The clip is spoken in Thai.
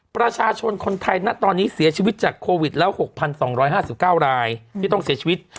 ประชาชนคนไทยนะตอนนี้เสียชีวิตจากโควิดแล้ว๖๒๕๙รายที่ต้องเสียชีวิต